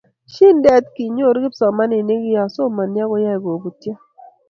shidet kinyoru kipsomaninik ya somani akoyaei koputyo